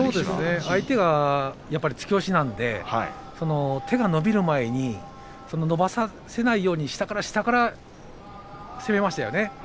相手が突き押しなので手が伸びる前に伸ばさせないように下から下から攻めましたね。